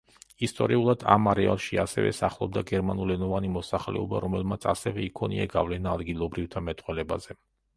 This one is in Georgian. ისტორიულად, ამ არეალში ასევე სახლობდა გერმანულენოვანი მოსახლეობა, რომელმაც ასევე იქონია გავლენა ადგილობრივთა მეტყველებაზე.